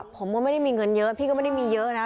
ผมก็ไม่ได้มีเงินเยอะพี่ก็ไม่ได้มีเยอะนะ